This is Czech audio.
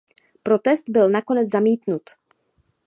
Protest byl nakonec zamítnut.